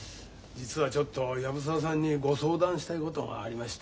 実はちょっと藪沢さんにご相談したいことがありまして。